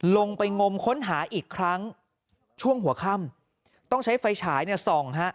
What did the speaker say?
ลงไปงมค้นหาอีกครั้งช่วงหัวค่ำต้องใช้ไฟฉายเนี่ยส่องฮะ